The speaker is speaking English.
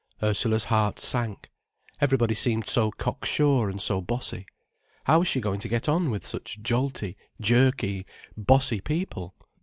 Ursula's heart sank. Everybody seemed so cocksure and so bossy. How was she going to get on with such jolty, jerky, bossy people?